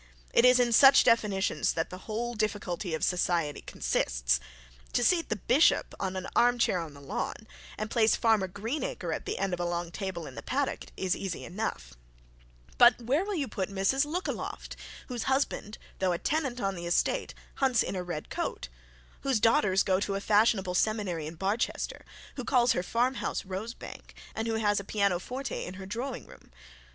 It is in such definitions that the whole difficulty of society consists. To seat the bishop on an arm chair on the lawn and place Farmer Greenacre at the end of a long table in the paddock is easy enough; but where will you put Mrs Lookaloft, whose husband, though a tenant on the estate, hunts in a red coat, whose daughters go to a fashionable seminary in Barchester, who calls her farm house Rosebank, and who has a pianoforte in her drawing room?